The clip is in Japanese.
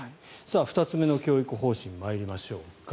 ２つ目の教育方針参りましょうか。